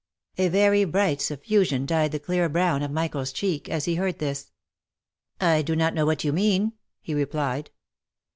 , A very bright suffusion dyed the clear brown of Michael's cheek as he heard this. " I do not know what you mean"!" he replied.